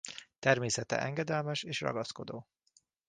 Természete engedelmes és ragaszkodó.